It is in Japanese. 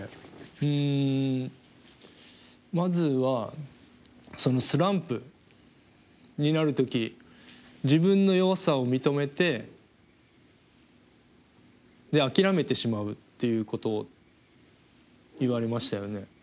うんまずはそのスランプになる時自分の弱さを認めて諦めてしまうっていうことを言われましたよね？